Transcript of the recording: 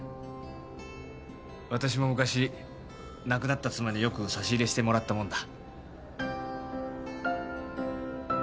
私も昔亡くなった妻によく差し入れしてもらったもんだ。